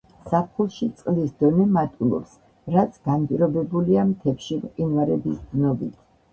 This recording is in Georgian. ზაფხულში წყლის დონე მატულობს, რაც განპირობებულია მთებში მყინვარების დნობით.